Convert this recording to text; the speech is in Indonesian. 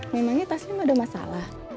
memangnya taslim ada masalah